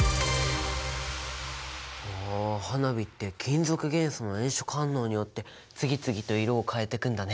ああ花火って金属元素の炎色反応によって次々と色を変えてくんだね。